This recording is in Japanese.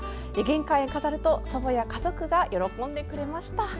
玄関に飾ると祖母や家族が喜んでくれました。